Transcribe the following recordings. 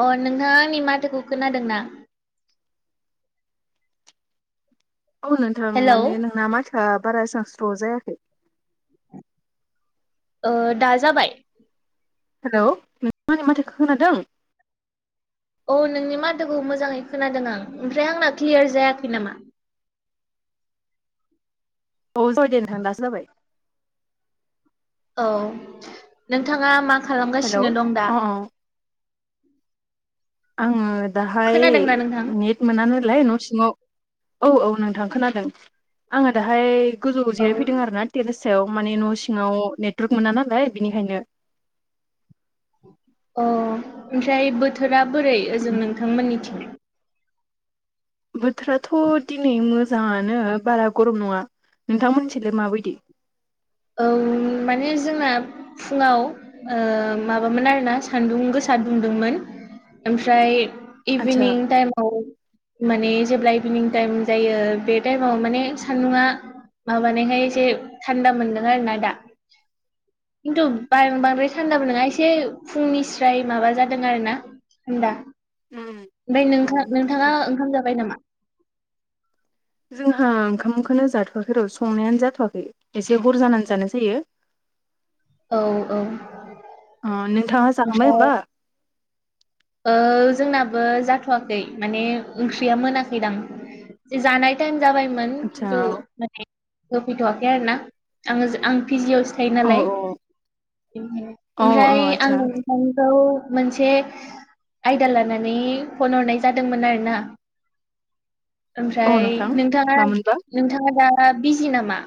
अ नोंथाङा आंनि माथोखौ खोनादोंना औ नोंथां हेलौ माने नोंना माथोआ बारा एसां स्र' जायाखै ओ दा जाबाय हेलौ नोंथां आंनि माथोखो खोनादों औ नोंनि माथोखौ मोजाङै खोनादों आं ओमफ्राय आंना क्लियार जायाखै नामा? औ जाबाय दे नोंथां दा जाबाय औ नोंथाङा मा हेलौ खालामगासिनो दं दा? अ अ आं दाहाय खोनादोंना नोंथां नेट मोना नालाय न' सिङाव औ औ नोंथां खोनादों आङो दाहाय गोजौआव औ जिरायफैदों आरोना टेरेस सायाव माने न' सिङाव नेटवर्क मोना नालाय बिनिखायनो अ ओमफ्राय बोथोरा बोरै ओजों नोंथांमोननिथिं? बोथोराथ' दिनै मोजाङानो बारा गरम नङा नोंथांमोनथिलाय माबायदि? औ माने जोंना फुङाव ओ माबामोन आरोना सान्दुं गोसा दुंदोंमोन ओमफ्राय आदसा इभिनिं टाइमाव माने जेब्ला इभिनिं टाइम जायो बे टाइमाव माने सान्दुंङा माबानायखाय एसे थान्दा मोनदों आरोना दा खिन्थु आतसा आतसा बांद्राय थान्दाबो नङा एसे फुंनिस्राय माबा जादों आरोना थान्दा उम ओमफ्राय उम नोंथां बुजिदों नोंथाङा ओंखाम जाबाय नामा? जोंहा ओंखामखोनो जाथ'वाखै र' संनायानो जाथ'वाखै एसे हर जानानै जानाय जायो। औ औ अ नोंथाङा जाखांबाय ओमफ्राय ओमबा ओ जोंनाबो जाथ'वाखै माने ओंख्रिया मोनाखैदां जानाय टाइम जाबायमोन आदसा खिन्थु माने होफैथ'वाखै आरोना आङो आं फिजियावस थायो औ नालाय औ औ ओमफ्राय आदसा आङो मोनसे आयदा लानानै फन हरनाय जादोंमोन आरो ना। औ ओमफ्राय नोंथां नोंथाङा मामोनबा नोंथाङा दा बिजि नामा।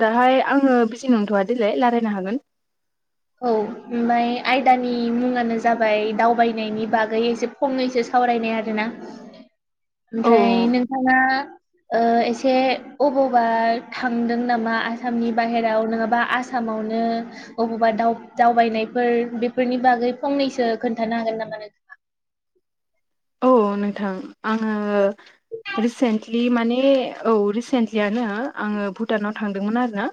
दाहाय आङो बिजि नंथ'वादेलाय रायलायनो हागोन। औ ओमबाय आयदानि मुङानो जाबाय दावबायनायनि बागै जेब फंनैसो सावरायनाय आरोना औ ओमफ्राय नोंथाङा ओ एसे अबावबा थांदों नामा? आसामनि बाहेराव नोङाबा आस आसामावनो अबावबा। दावब-दावबायनायफोर बेफोरनि बागै फंनैसो खोन्थानो हागोन नामा नोंथ औ नोंथां आङो रिसेन्ट लि माने औ रिसेन्टलियानो आङो भुटानाव थांदोंमोन आरो ना।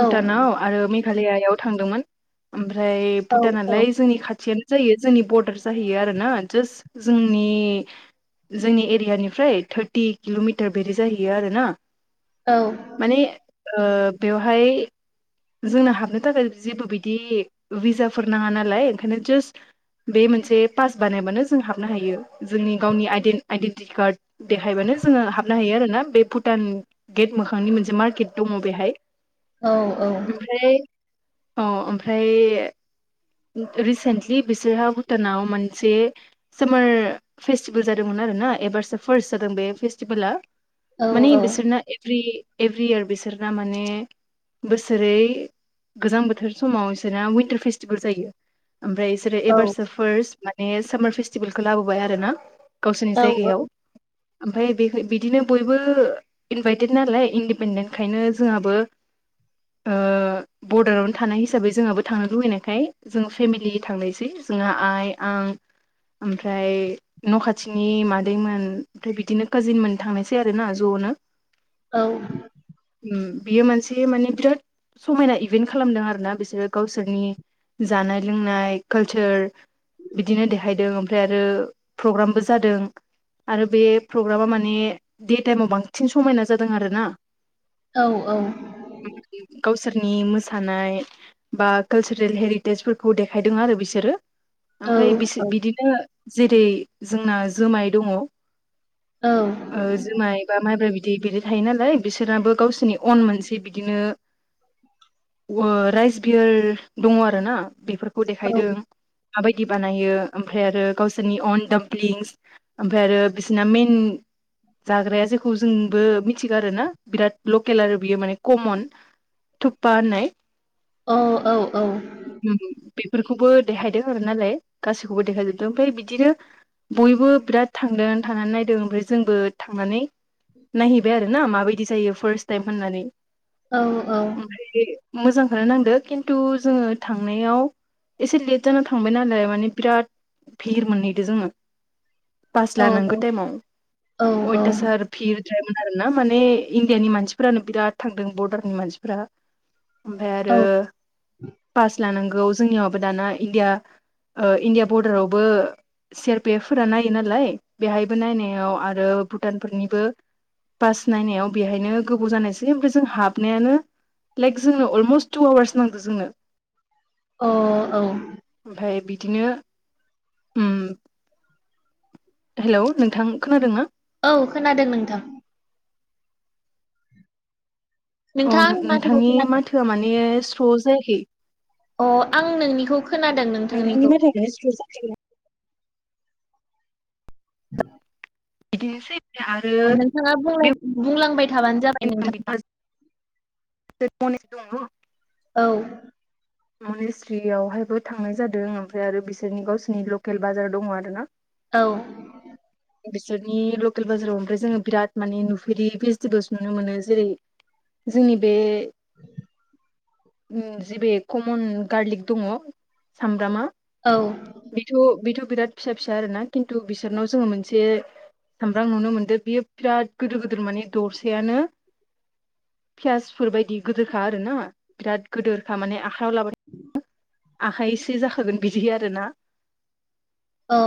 औ भुटानाव आरो मेघालियाआव थांदोंमोन ओमफ्राय औ भुटानलाय जोंनि खाथियानो। जायो जोंनि बरडार जाहैयो आरोना जास्ट जोंनि जोंनि एरियानिफ्राय थार्टि किल'मिटार बेदि जाहैयो आरो ना। औ माने ओ बेवहाय जोंना हाबनो थाखाय जेबो बिदि भिजाफोर नाङा नालाय ओंखायनो जास्ट। बे मोनसे पास बानायबानो ज जोङो हाबनो हायो जोंनि गावनि‌ आइडेन्ट-आइडेन्टि कार्ड देखायबानो जोङो हाब नाहैयो आरो ना, बे भुटान गेट मोखांनि मोनसे मार्केट दङ बेहाय। औ औ ओमफ्राय औ ओमफ्राय रिसेन्टलि बिसोरहा भुटानाव मोनसे सोमार फेस्टिभेल जादोंमोन आरो ना एबारसो फार्स्ट जादों बे फेस्टिभोला। औ माने बिसोरना एभ्रि एभ्रियार बिसोरना माने बोसोरै गोजां बोथोर समाव इसोरना विनटार फेस्ट फेस्टिभेल जायो ओमफ्राय इसोरो एबारसो फार्स्ट माने सामार फेस्टिभेलखौ लाबोबाय आरो ना। गावसोरनि औ जायगायाव ओमफ्राय बे बिदिनो बयबो इनभाइटेद नालाय इन्दिपेन्डेन्टखायनो जोंहाबो ओ बरडारावनो थानाय हिसाबै जोंहाबो थांनो लुबैनाय ओंखाय जों फेमिलि थांनोसै जोंहा आइ आं ओमफ्राय न' खाथिनि मादैमोन ओमफ्राय बिदिनो काजिनमोन थांनायसै आरो ना ज'नो। औ ओम बियो मोनसे माने बिराद। समायना इभेन्ट खालामदों आरोना बिसोरो गावसोरनि। जानाय लोंनाय कालचार। बिदिनो देहायदों ओमफ्राय आरो प्रग्रामबो जादों। आरो बे फग्रामा माने दे टाइमाव बांसिन समायना जादों आरो ना। औ औ गावसोरनि मोसानाय बा कालचा ल हेरिटेजफोरखौ देखायदों आरो बिसोरो औ ओमफाय औ बिसो--बिदिनो जेरै जोंना जोमाय दङ। औ ओ जुमाय बा माइब्रा बिदै बिदि थायो नालाय बिसोराबो गावसोरनि अन मोनसे बिदिनो [inaudible] राइस बियार दङ आरोना बेफोरखौ देखायदों माबायदि बानायो ओमफ्राय आरो गावसोरनि अन डामप्लिंस ओमफाय आरो बिसोरना मेइन जाग्राया जेखौ जोंबो मिथिगो आरो ना बिराद लकेल आरो बियो माने कमन थुबपा होनाय अ औ औ बेफोरखौबो देखायदों आरो नालाय गासैखौबो देखायजोबदों ओमफ्राय बिदिनो बयबो बिराद थांदों थांनानै नायदों ओमफ्राय जोंबो थांनानै नायहैबाय आरो ना माबायदि जायो फार्स्ट टाइम होननानै औ औ। मोजांखौनो नांदो खिन्थु जोङो थांनायाव एसे लेट जाना थांबाय नालाय माने बिराद भिर मोनहैदो जोङो पास लानांगौ टाइमाव अयथासार भिरद्रायमोन आरो ना माने इण्डियानि मानसिफोरानो बिराद थांदों बरदारनि मानसिफोरा ओमफ्राय औ आरो पास लानांगौ जोंनियावाबो दाना इण्डिया ओ इण्डिया बरदारावबो सि आर पि एफ फोरा नायो नालाय बेहायबो नायनायाव आरो भुटानफोरनिबो पास नायनायाव बेहायनो गोबाव जानायसै ओमफ्राय जों हाबनायानो लाइक जोंनो अलमस्ट टु आवार्स नांदो जोंनो अ औ ओमफाय बिदिनो हेलौ नोंथां खोनादोंना? औ खोनादों नोंथां। अ नोंथाङा आंनि माथोखौ नोंथांनि खोनादों माथोआ माने स्र' जायाखै अ आं नोंनिखौ खोनादों नोंथांनिखौ। [unintelligible] [unintelligible] [inaudible] बिदिनोैसै अ नोंथाङा बुंलां-बुंलांबाय थाबानो जाबाय नोंथाङा। [unintelligible] दङ औ। मनेस्लियावहायबो थांनाय जादों ओमफ्राय आरो बिसोरनि गावसोरनि लकेल बाजार दङ आरो ना औ। बिसोरनि लकेल बाजाराव ओमफ्राय जोङो बिराद माने नुफेरि भेजिटेबोल्स नुनो मोनो जेरै जोंनि बे [inaudible] जि बे कमन गारलिक दङ सामब्रामा औ। बेथ' बेथ' बिराद फिसा फिसा आरो ना खिन्थु बिसोरनाव जोङो मोनसे सामब्राम नुनो मोन्दो बियो बिराद गिदिर गिदिर माने दरसेयानो पियासफोर बायदि गोदोरखा आरो ना बिराद गोदोरखा माने आखायाव लाबानो आखाइसे जाखागोन बिदि आरोना अ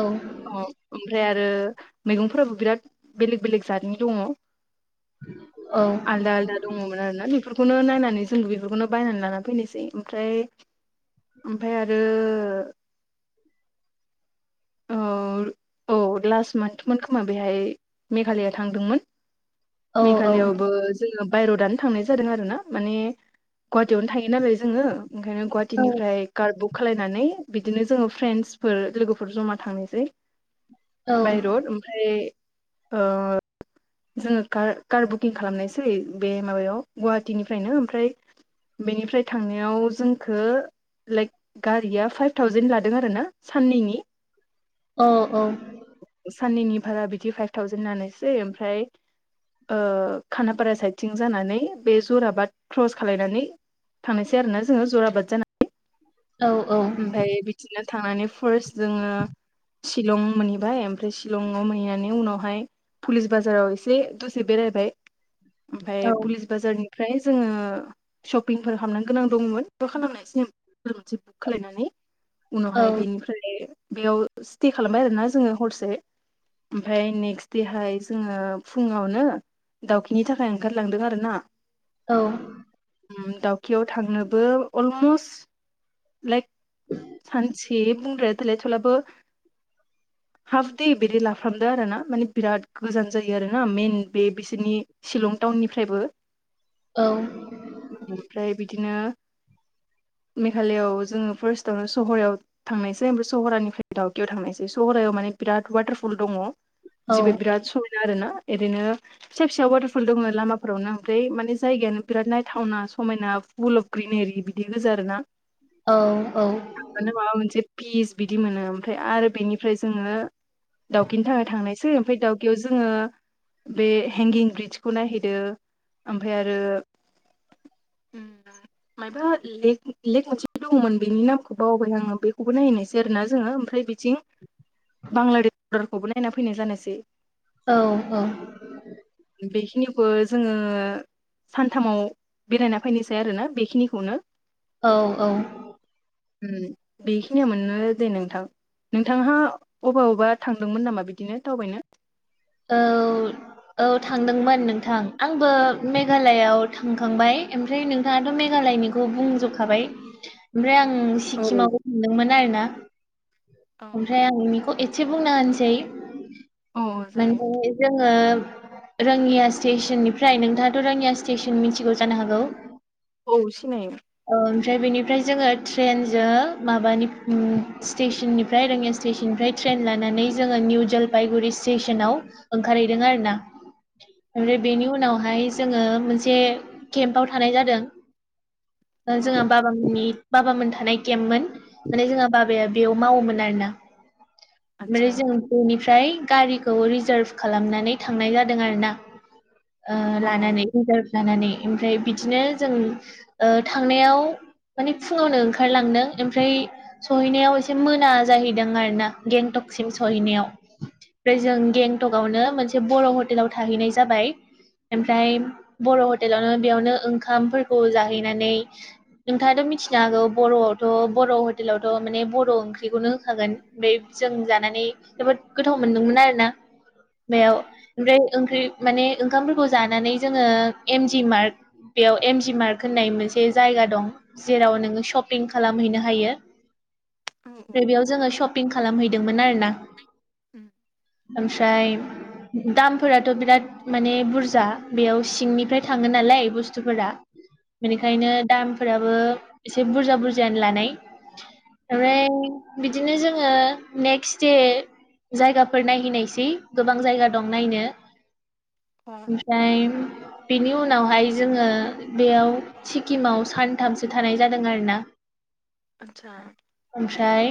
औ। अ ओमफ्राय आरो मैगंफोराबो बिराद बेलेग बेलेग जादनि दङ औ। आलदा आलदा दङमोन आरो ना बेफोरखौनो नायनानै जोंबो बेफोरखौनो बायनानै लाना फैनोसै ओमफ्राय ओमफ्राय आरो औ औ लास्ट मान्टमोन खोमा बेहाय मेघालया थांदोंमोन। औ औ मेघालयावबो जोङो बाय रडानो थांनाय जादों आरोना माने गुहाटियावनो थायो नालाय जोङो। ओंखायनो औ गुहाटिनिफ्राय कार बुक खालायनानै बिदिनो जोङो फ्रेन्डसफोर लोगो फोर जमा थांनोसै औ बाय रड ओमफ्राय ओ जोङो कार कार बुकिं खालामनायसै बे माबायाव गुवाहाटिनिफ्रायनो ओमफ्राय बेनिफ्राय थांनायाव जोंखो लाइक गारिया फाइभ थावजेन लादों आरोना साननैनि अ औ साननैनि भारा बिथि फाइभ थावजेन लानोसै ओमफ्राय ओ खानापारा साइदथिं जानानै बे जराबाद क्रस खालायनानै थांनायसै आरोना जोंङो जराबाद जाना औ औ ओमफ्राय बिदिनो थांनानै फार्स्ट जोङो शिलं मोनहैबाय ओमफ्राय शिलङाव मोनहैनानै उनावहाय पुलिस बाजाराव एसे दसे बेरायबाय ओमफ्राय पुलिस बाजारनिफ्राय जोंङो शपिंफोर खामनो गोनां दंमोन। बुकबो खालामनाय सेम हटेल मोनसे बुक खालायनानै उनावहाय बेनिफ्राय बेयाव स्टे खालामबाय आरोना जोंङो हरसे ओमफ्राय नेक्स्ट देहाय जोङो ओ फुङावनो दावखिनि थाखाय ओंखारलांदों आरोना। औ। दावकियाव थांनोबो अलमस्ट लाइक सानसे बुंद्राया देलाय थेलाबो [inaudible] हाफ दे बिदि लाफ्रामदो आरोना माने बिराद गोजान जायो आरोना मेइन बे बिसोरनि शिलं टाउननिफ्रायबो औ ओमफ्राय बिदिनो मेघालयाव जोङो फार्स्टआवनो सहरायाव थांनायसै ओमफ्राय सहरानिफ्राय दावकियाव थांनायसै सहरायाव माने बिराद वाटारफल दङ। औ जिबो बिराद समायना आरोना एरैनो फिसा फिसा वाटारफल दोङो लामाफोरावनो ओमफ्राय माने जायगायानो बिराद नायथावना समायना फुल ग्रिनेरि बिदि गोजा आरोना औ औ थांबानो माबा मोनसे पिस बिदि मोनो ओमफ्राय आरो बेनिफ्राय जोङो दावकिनि थाखाय थांनायसै ओमफ्राय दावकियाव जोङो बे हेंगिं ब्रिजखौ नायहैदो ओमफ्राय आरो उम उम मायबा लेग लेग मोनसे दङोमोन बेनि नामखौ बावबाय आङो बेखौबो नायहैनायसै आरोना जोङो ओमफ्राय बि थिं बांलादेश बरडारखौबो नायना फैनाय जानायसै। औ औ बेखिनिखौ जोङो सानथामाव बेरायना फायनायसै आरोना बेखिनिखौनो औ औ उम बेखिनिमोननो दे नोंथां नोंथांहा अबावबा थांदोंमोन नामा बिदिनो दावबायनो औ औ थांदोंमोन नोंथां आंबो मेघालयाव थांखांबाय ओमफ्राय नोंथांङाथ' मेघालयनिखौ बुंजोबखाबाय ओमफ्राय आं औ सिक्किमावबो थांदोंमोन आरोना औ ओमफ्राय आं बेखौ एसे बुंना होनसै औ औ जायो माने जोंङो रोङिया स्टेसननिफ्राय नोंथांङाथ' रोङिया स्टेसन मिथिगौ जानो हागौ औ सिनायोमोन ओमफ्राय बेनिफ्राय जोङो ट्रेन जो माबानि स्टेसननिफ्राय रङिया स्टेसननिफ्राय ट्रेन लानानै जोंङो निउ जलफायगुरि सेसनाव ओंखारहैदों आरोना ओमफ्राय बेनि उनावहाय जोंङो मोनसे केम्पाव थानाय जादों अ जोंहा बाबामनि बाबामोन थानाय केम्पमोन माने जोंहा बाबाया बेयाव मावोमोन आरोना आतसा ओमफ्राय जों बेनिफ्राय गारिखौ रिजार्भ खालामनानै थांनाय जादों आरोना ओ औ लानानै रिजार्भ लानानै ओमफ्राय बिदिनो जों ओ थांनायाव माने फुंङावनो ओंखारलांदों ओमफ्राय सहैनायाव एसे मोना जाहैदों आरो ना गेंटकसिम सहैनायाव ओमफ्राय जों गेंटकआवनो मोनसे बर' हटेलाव थाहैनाय जाबाय ओमफ्राय बर' हटेलावनो बेयावनो ओंखामफोरखौ जाहैनानै नोंथांङाथ' मिथिनो हागौ बर'आवथ' बर' हटेलावथ' माने बर' ओंख्रिखौनो होखागोन ओमफ्राय जों जानानै जोबोद गोथाव मोनदोंमोन आरोना औ बेयाव ओमफ्राय ओंख्रि माने ओंखामफोरखौ जानानै जोंङो एमजि मार्क बेयाव एम जि मार्क होननाय मोनसे जायगा दं जेराव नोंङो शपिं खालामहैनो हायो ओमफ्राय बेयाव जोंङो शपिं खालामहैदोंमोन आरो ना [inaudible] ओमफ्राय दामफोराथ' बिराद माने बुरजा बेयाव सिंनिफ्राय थाङो नालाय बुस्थुफोरा अ बेनिखायनो दामफोराबो एसे बुरजा बुरजायानो लानाय उम ओमफ्राय बिदिनो जोंङो नेक्स्ट दे जायगाफोर नायहैनायसै गोबां जायगा दं नायनो अ [unintelligible] बेनि उनावहाय जोंङो बेयाव सिक्किमाव सानथामसो थानाय जादों आरोना [inaudible] आतसा ओमफ्राय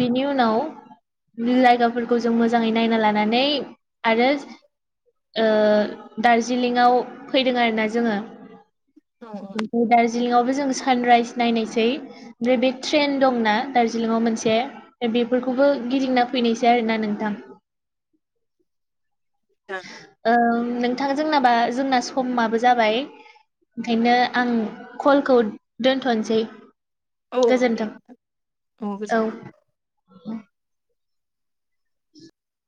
बेनि उनाव लाइग फोर जों मोजांङै नायना लानानै आरो दार्जिलिंआव फैदों आरोना जोंङो औ ओमफ्राय दार्जिलिंवबो जों सानराइज नायनोसै ओमफ्राय बे ट्रेन दंना दार्जिलिंआव मोनसे बेफोरखौबो गिदिंना फैनायसै ना नोंथां ओ नोंथांङा जोंनाबा जोंना समाबो जाबाय ओंखायनो आं कलखौ दोनथ'नोसै औ औ दे गोजोन्थों औ